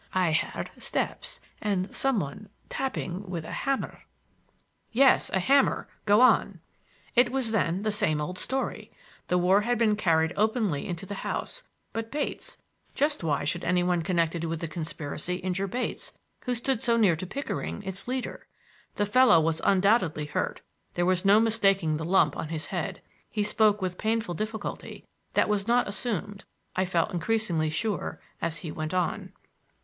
I heard steps, and some one tapping with a hammer—" "Yes; a hammer. Go on!" It was, then, the same old story! The war had been carried openly into the house, but Bates,—just why should any one connected with the conspiracy injure Bates, who stood so near to Pickering, its leader? The fellow was undoubtedly hurt,—there was no mistaking the lump on his head. He spoke with a painful difficulty that was not assumed, I felt increasingly sure, as he went on.